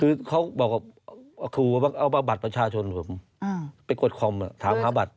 คือเขาบอกว่าคือว่าว่าเอาบาทประชาชนอืมไปกดคอมอ่ะถามหาบัตร